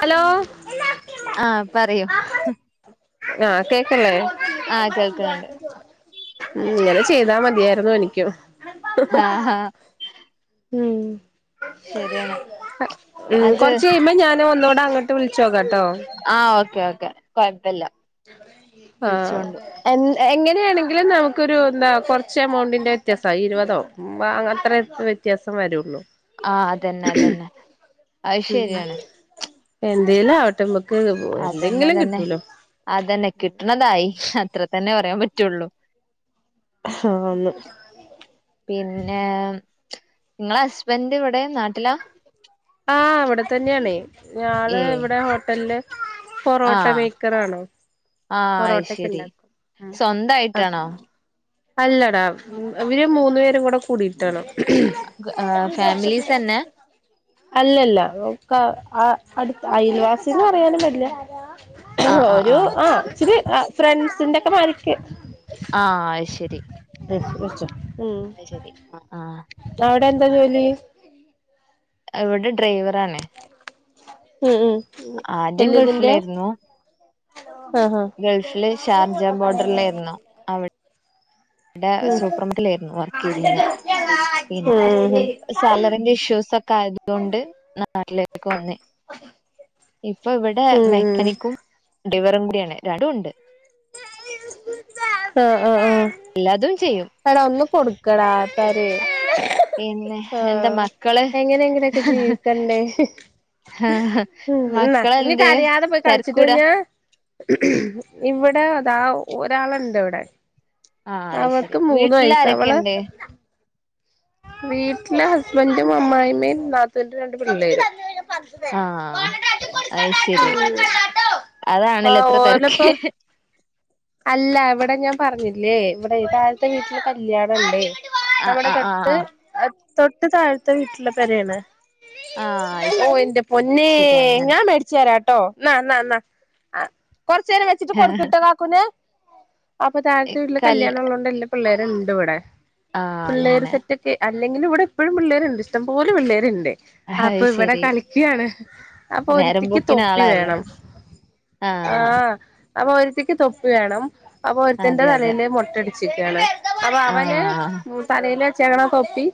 Hello. ആഹ് പറയൂ. ആഹ് കേക്കല്ലേ. ആഹ് കേൾകണുണ്ട്. ഉം ങ്ങനെ ചെയ്താ മതിയായിരുന്നു എനിക്ക്യു. ആഹ് ആഹ്. ഉം ശരിയാണ് ഉം അത് കൊർച്ച് കയുമ്പ ഞാന് ഒന്നൂടെ അങ്ങട്ട്- ട്ട് വ്ൾച്ചോക്ക ട്ടോ. ആഹ് ഓക്കെ ഓക്കെ കൊയപ്പല്ല ആഹ് എന്ന് എങ്ങനെയാണെങ്കിലും നമുക്കൊരു എന്താ കൊർച്ച് എമൗണ്ടിന്റെ വ്യത്യാസാ ഇരുവതോ. മ്മ അത്ര വ്യത്യാസം വരുള്ളൂ ആഹ് അതന്നെ അതന്നെ അഹ്‌ ഉം ശരിയാണ് എന്തേലും ആവട്ടെ മ്മക്ക് അതന്നെ എന്തെങ്കിലും അതന്നെ കിട്ടൂലോ അതന്നെ കിട്ടണതായി അത്ര തന്നെ പറയാൻ പറ്റുള്ളു ആഹ് ന്ന് [unintelligible] പിന്നെ ഇങ്ങളെ ഹസ്ബന്റ് ഇവടെ നാട്ടിലാ ആഹ് ഇവടെ തന്നെണ് [unintelligible] ഏയ് ഇവടെ ഹോട്ടൽല് പൊറോട്ട ആഹ് മേക്കറാണ് ആഹ് അത് പൊറോട്ടൊക്കെ ശരി ഇണ്ടാക്കും ഉം സ്വന്തായിട്ടാണോ അല്ലടാ ഇവര് മൂന്നു പേരും കൂടെ കൂടിട്ടാണ് ആ ഫാമിലീസന്നെ അല്ലല്ല അടു അയൽവാസിന്ന് പറയാനും പറ്റില്ല ആഹ് ആഹ് ഒരു ആഹ് ആ ഇിച്ചിരി ഫ്രണ്ട്സിന്റെ ഒക്കെ മാരിക്ക് ആഹ് അയ് ശരി ദിസ് വെച്ചോ ഉം അത് ശരി ആഹ് ആ അവടെ എന്താ ജോലി ഇവടെ ഡ്രൈറാണ് ഉം ഉം ആദ്യം വല്യതിന്റെ ഗൾഫിലായിരുന്നു ആഹാ ഗൾഫില് ഷാർജ ബോർഡറിലായിരുന്നോ വടെ സൂപ്പർ [unintelligible] ലായിരുന്നു വർക്ക് ചെയ്തിന്നെ പിന്നെ കുറച്ച് ഉം സാലറിന്റെ ഇഷ്യൂസ് ഒക്കെ ആയതുകൊണ്ട് നാട്ടിലേക്ക് വന്നേ ഇപ്പൊ ഇവിടെ ഉം ഉം ഉം മെക്കാനിക്കും ഡ്രൈവറും കൂടിയാണ് രണ്ടും ഉണ്ട് ആഹ് ആഹ് ആഹ് എല്ലാതും ചെയ്യും എടാ ഒന്നു കൊടുക്കടാ തരേ പിന്നെ എന്താ ആഹ് മക്കള് എങ്ങനെ എങ്ങനെയൊക്കെ ജീവിക്കണ്ടേ ഉം ന്നാ ഇഞ് മക്കളെന്തേ കരയാതെ പോയി കൾച്ട്ട തിരക്കൂടാ ഞ്ഞാ ഇവിടെ അതാ ഒരാളുണ്ട് ഇവിടെ ആഹ് അഹ്ശരി അവൾക്ക് മൂന്ന് വയസ്സ് വീട്ടിലാരൊക്കെ ഇണ്ട് വീട്ടില് ഹസ്ബന്റും, അമ്മായിമീം നാത്തൂന്റെ രണ്ടു പിള്ളേരും ആഹ് അയ്‌ ശരി അതാണ് ലെ ആഹ് ഇത്ര ഓലപ്പോ തെരക്ക് അല്ല ഇവടെ ഞാൻ പറഞ്ഞില്ലേ ഇവടെ താഴത്തെ വീട്ടില് കല്യാണണ്ട് ആഹ് നമ്മുടെ ആഹ് തൊട്ട് ആഹ് തൊട്ട് താഴത്തെ വീട്ടിലെ പെരേണ് ആഹ് ഓ എന്റെ പൊന്നെ ശരി അങ്ങനെ ഞാൻ മ ച്ചരാംട്ടോ ന്നാ ന്നാ ന്നാ കൊറച്ചേരം വെച്ചിട്ട് കൊടുക്ക്ട്ടോ കാക്കൂന് അപ്പൊ താഴത്തെ വീട്ടില് കല് കല്യാണം ഉള്ളോണ്ട് എല്ലാപിള്ളേരുണ്ട് ഇവടെ ആഹ് പിള്ളേര് അങ്ങനെ സെറ്റ് അല്ലെങ്കിലും ഇവടെ എപ്പഴും പിള്ളേരുണ്ട് ഇഷ്ടം പോലെ പിള്ളേര്ണ്ട് അഹ് അപ്പൊ ഇവടെ ശരി. കളിക്കാണ് അപ്പൊ നേരം ഒരുത്തിക്ക് പോക്കിന് തൊപ്പി ആളായല്ലോ. വേണം ആഹ് അപ്പൊ ഒരുത്തിക്ക് തൊപ്പി വേണം അപ്പൊ ഒരുത്തന്റെ അതെ അതെ. തലയില് മൊട്ടടിച്ചിക്കാണ് അപ്പൊ അവന് ആഹ് തലയില് വെച്ചക്കണ തൊപ്പി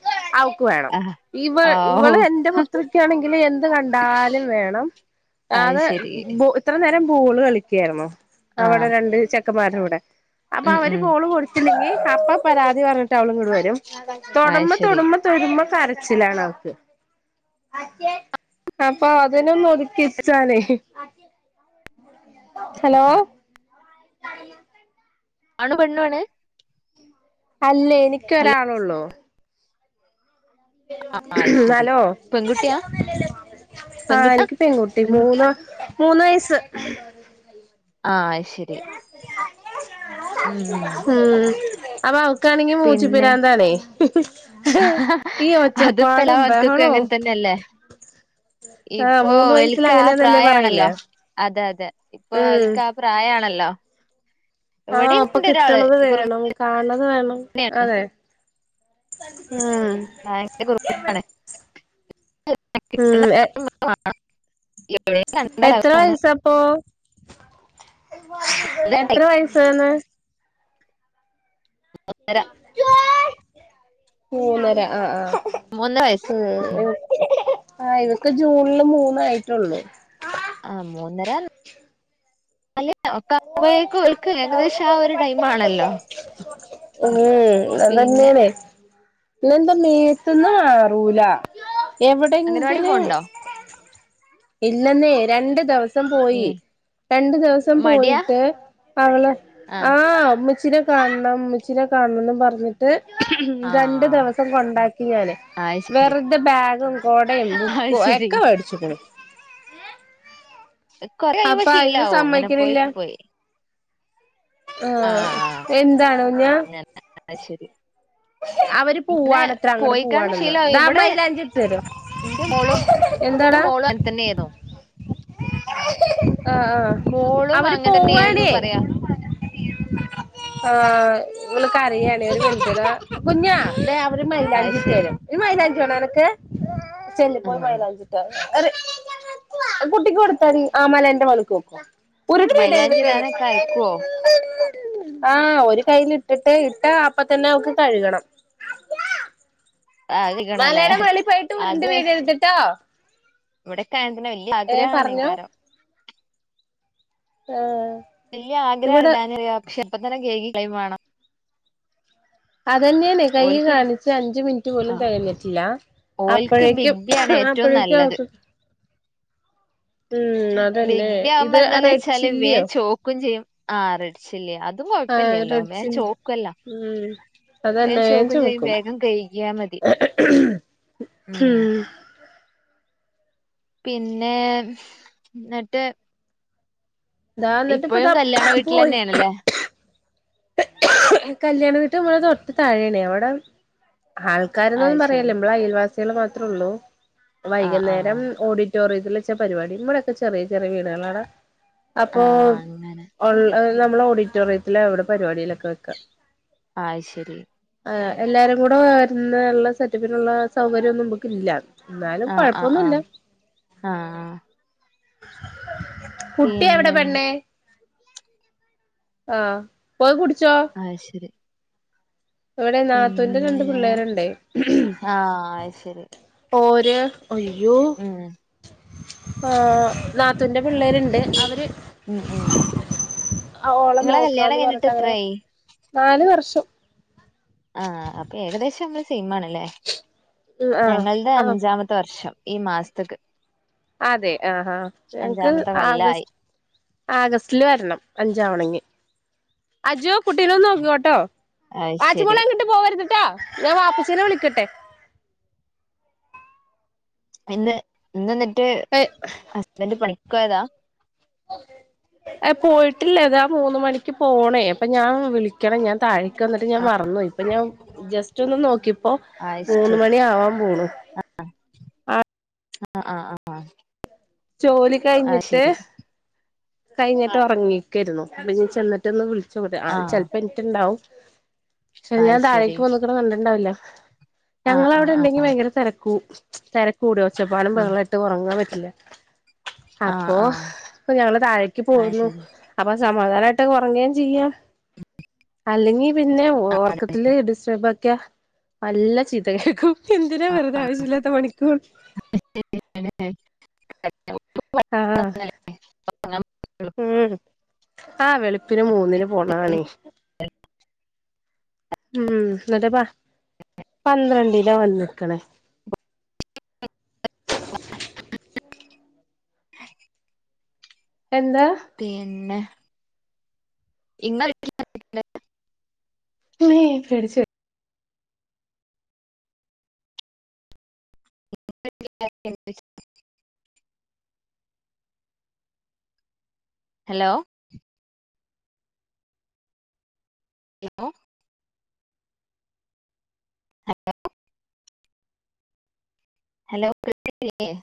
അവക്ക് വേണം ആഹ് ഇവ ആവൂ ഇവള് എന്റെ പുത്രിക്കാണെങ്കില് എന്ത് കണ്ടാലും വേണം അത് അതെ ശരി. ബോ ഇത്ര നേരം ബോള് കളിക്കായിരുന്നു അവടെ ആഹ് രണ്ട് ചെക്കന്മാരുടെ കൂടെ അപ്പൊ ഉം അവര് ഉം ബോള് കൊ തില്ലെങ്കി അപ്പം പരാതി പറഞ്ഞിട്ട് അവളുങ്ങട് വരും തൊട്മ്പ അത് ശരി. തൊട്മ്പ തെരുമ്പോ കരച്ചിലാണ് അവക്ക് അപ്പൊ അതിനും ഒതുക്കിരിച്ചാനെ ഹലോ ആണ് പെണ്ണും ആണ് അല്ലെ ഹലോ എനിക്കൊരാളള്ളൂ ആ അത് ശരി. ഹലോ പെൺകുട്ടിയാ? ആ പെൺകുട്ടാ? എനിക്ക് പെൻകുട്ടി മൂന്ന് മൂന്ന് വയസ്സ്. ആഹ് അത് ശരി. ഉം അപ്പ കണങ്കി മൂച്ചി പിന്നെ പിരാന്തണേ, ഈ അതിപ്പോ എല്ലാ ഒച്ചപ്പാടും മക്കൾക്കും ബഹളോ. അങ്ങനെ തന്നെയല്ലേ. ഇപ്പൊ ഒൽക്ക ആ അങ്ങനെയാന്നല്ലേ പ്രായണല്ലോ? പറയല് അതെ അതെ, ഇപ്പൊ ഉം ഓൽക്ക് ആ പ്രായമാണല്ലോ? ഇവിടെണ്ട് ഒരാള്. കാണത് വേണം തന്നെയാണ്. അതെ ആഹ് ഭയങ്കര കുറുമ്പാണ്, കി ഉം എ എത്ര വയസാപ്പൊ എത്ര വേണം. വയസന്ന് മൂന്നര ആഹ് ആഹ് മൂന്ന് വയസ്. ഉ, ആഹ് ഇവൾക്ക് ജൂണില് മൂന്നായിട്ടുള്ളൂ. ആഹ് മൂന്നര അല്ല ഒക്ക അക്ക ഓൽക്ക് ഏകദേശം ആ ഒരു ടൈം ആണല്ലോ ഉം പിന്നെ അതന്നെണേ പിന്നെന്താ മേത്തന്നാറൂല. അംഗനവാടി എവിടെങ്കിലും.. പോണുണ്ടോ ഇല്ലെന്നേ രണ്ട് ദിവസ ഏ പോയി, രണ്ട് ദിവസം മടിയാ പോയിട്ട് അവള ആ ആഹ് ഉമ്മച്ചിൻ്റെ. കാണം ഉമ്മച്ചിനെ കാണണംന്ന് പറഞ്ഞിട്ട് ആ രണ്ടു ദിവസം കൊണ്ടാക്കി ഞാന്. അത് ശരി വെറുതെ ബാഗും, കോടയും അത് ബുക്കും ശരി ഒക്കെ വേടിച്ചിക്ണ്. ഏ കുറെ കഴിയുമ്പോൾ ശീലാവും, ഇങ്ങനെ പോയി പോയി. ആഹ് എന്താണ് ഞാ അങ്ങനെ ആ ശരി. അവര് അങ്ങനെ പൂവാണത്രേ അങ്ങട് പോയിക്കാണ്ട് പൂവാണന്ന് ശീലാവും ദാ ഇവിടെ മൈലാഞ്ച് ഇട്ടരും. എന്താടാ ന്നെന്നു ആഹ് ആഹ് മോളും അങ്ങനെന്നേയിരുന്നു പറയാ. ആഹ, ഇവള്കരയാണ് ഉം ഒരുമിൻറ്റ് ന്നാ. കുഞ്ഞാ? അത് ശരി മൈലാഞ്ചിട്ടരും ഇ മൈയിലാഞ്ചി വാണാൻക്ക് ചെല്ല് പ്പോയി ഉം മലാഞ്ചിട്ട. കുട്ടിക്ക് കൊടുത്തടി ആമല എന്റെ മുകളിലേക്ക് പോകും ഉരുട്ടീ മൈലാഞ്ചി ഇടാനൊക്കെ അയക്കുവോ ആഹ് ഒരു കയ്ൽ ഇട്ടിട്ട് ഇട്ട അപ്പ തന്നെ അവക്ക് കഴുകണം. അത് കഴിക്കണല്ലേ മലേടെ മേളി പോയിട്ട് ഉരുണ്ട് വീഴരുതിട്ടോ ഇവിടെക്കയന് വലിയ പറഞ്ഞോ ആഗ്രഹാണൈകാരം. ആഹ് വലിയ ആഗ്രഹം ഉണ്ടാന പക്ഷെ, ഇപ്പ തന്നെ കൈകി കളയുകയും വേണം. അതന്നെണ് കൈ ഓൽക്ക് കാണിച്ച് അഞ്ച മിനിറ്റ് പോലും ആ തകഞ്ഞിട്ടില്ല. ഓൽക്ക് അപ്പോഴേക്കും ബിഗ്ബി ആണ് ഏറ്റവും അപ്പോഴേക്കും നല്ലത് ആക്ക അതന്നെ ബിഗ്ബി ഇത് ആവുമ്പ എന്താന്ന് റെഡ് വെച്ചാല് ചില്ലിയോ വേഗം ചോക്കയും ചെയ്യും. ആഹ് റെഡ്ചില്ലി അതു ആഹ് കൊഴപ്പല്ലല്ലോ റെഡ് വേഗം ചില്ലി ചോക്കല്ലോ [unintelligible] അതന്നെ വേഗം ചോക്കും. വേഗം കഴികിയാ മതി ഉം പിന്നെ ന്നട്ട് ഇതാ, എന്നിട്ട് ഇപ്പതാ കല്യാണ പോയി. വീട്ടിലന്നെയാണല്ലേ കല്ല്യാണ വീട് നമ്മളെ തൊട്ട് താഴേണ് അവിടെ ആൾ അത് ക്കാരൊന്നും ശരി പറയാല്ലേ നമ്മള് അയൽവാസികൾ മാത്രേ ഉള്ളൂ ആ ആ വൈകുന്നേരം ഓഡി റ്റോറതിൽ വെച്ച പരിപാടി, ഇവടെക്കെ ചെറിയ ചെറിയ വീടുകളാണ് ആ അപ്പൊ അങ്ങനെ ഒള്ള നമ്മളെ ഓഡിറ്റോറിയത്തില്അവിടെ പരിപാടിയിലൊക്കെ വെക്ക അയ്ശരി ആഹ് എല്ലാരും കൂടെ വരുന്നള്ള സെറ്റപ്പിനുള്ള സൗകര്യവൊന്നും നമുക്കില്ല എന്നാലും ആ ആ ആ കൊഴപ്പൊന്നുല്ല ആ കുട്ടി എവിടെ പിന്നെ പെണ്ണേ ആഹ് പോയി കുടിച്ചോ അയ് ശരി ഇവിടെ നാത്തൂന്റെ പിന്നെ രണ്ട് പിള്ളേര്ണ്ടെ ആ അത് ശരി പോര് അയ്യോ ഉം ആഹ് നാത്തൂന്റെ പിള്ളേര്ണ്ട് അവര് ഉം ഉം ആ ഓളെ നിങ്ങളെ കല്യാണം നോക്കാന്ന് കഴിഞ്ഞിട്ട് പറഞ്ഞിട്ടങ്ങനെ എത്രായി നാല് വർഷം ആ അപ്പൊ ഏകദേശം മ്മള് സെയിമാണല്ലേ ഉം ആഹ് ഞങ്ങൾടെ ആഹ് അഞ്ചാമ ത്ത് വർഷം ഈ മാസത്ത്ക്ക് അതെ ആഹാ ഞങ്ങക്ക് അഞ്ചാമത്തെ ആഗസ് കൊല്ലായി ആഗസ്റ്റില് വരണം അഞ്ചാവണെങ്കി അത് ശരി വാച്ചിമോളെ അങ്ങട്ട് പോവരുത്ട്ടോ ഞാൻ വാപ്പച്ചീനെ വിളിക്കട്ടെ ഇന്ന് ഇന്നന്നിട്ട് എയ് ഹസ്ബന്റ് പണിക്ക് പോയതാ പോയിട്ടില്ല താ മൂന്ന് മണിക്ക് പോണേ അപ്പൊ ഞാൻ വിളിക്കണം ഞാൻ താഴേക്ക് വന്നിട്ട് ഞാൻ മറന്നു പോയി ഇപ്പൊ ഞാൻ ജസ്റ്റ് ഒന്ന് നോക്കിപ്പോ മൂന്ന് മണി ആവാൻ പോണു ആഹ് ആ ആഹ് ആഹ് ആഹ് ആഹ് ജോലി അത് കഴിഞ്ഞിട്ട് ശരി കഴിഞ്ഞിട്ടൊറങ്ങിക്കാരുന്നു ഇനി ചെന്നിട്ടൊന്ന് വിളി സുഹ്ത്ത് ആൾ ആഹ് ചെലപ്പോ നിക്കിണ്ടാവും പക്ഷേ ഞാൻ അത് ശരി താഴേക്ക് പോവുന്നസം കണ്ടിണ്ടാവില്ല ആഹ് ഞങ്ങളവിടെ ആഹ് ആഹ് ഇണ്ടെങ്കി ഭയങ്കര തെരക്കു തെരക്കുകൂട്ടും ഒച്ചപ്പാടും ബഹളായിട്ട് ഒറങ്ങാൻ പറ്റില്ല ആഹ് ആഹ് അപ്പൊ ആഹ് ഇപ്പ ഞങ്ങള് താഴേക്ക് അത് പോന്നു ശരി അപ്പൊ സമാധാനായിട്ട് ഉറങ്ങേം ചെയ്യാം അല്ലെങ്കി പിന്നെ ആ അതെ. ഒറക്കത്തില് ഡിസ്റ്റേർബ് ആക്കിയ നല്ല ചീത്ത കേക്കും എന്തിനാ ആ വെറുതെ ആ ആവശ്യല്ലാത്ത പണിക്ക് പോ [unintelligible] ആഹ് ആഹ് ഉം ആഹ് വെളുപ്പിന് മൂന്നിന് പോണതാണേ മ് ന്ന്ട്ട്പ പന്ത്രണ്ടിനാ വന്ന്ക്കണേ എന്താ പിന്നെ ഇമ്മ മ്മേ പേടിച്ചു പോയി [unintelligible] ഹലോ ഹലോ ഹലോ ഹലോ [unintelligible]